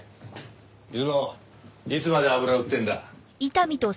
出雲いつまで油売ってんだ？